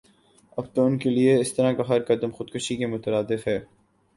اب تو انکےلئے اسطرح کا ہر قدم خودکشی کے مترادف ہے